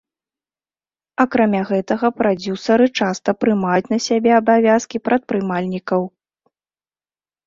Акрамя гэтага, прадзюсары часта прымаюць на сябе абавязкі прадпрымальнікаў.